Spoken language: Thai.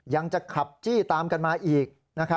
ยังจะขับจี้ตามกันมาอีก